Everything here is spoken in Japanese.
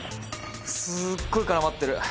すっごい絡まってる。